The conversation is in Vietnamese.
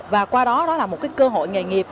và qua đó đó là một cơ hội nghề nghiệp